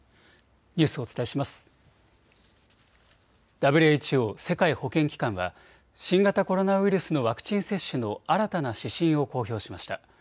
ＷＨＯ・世界保健機関は新型コロナウイルスのワクチン接種の新たな指針を公表しました。